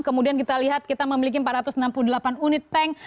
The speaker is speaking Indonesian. kemudian kita lihat kita memiliki empat ratus enam puluh delapan unit tank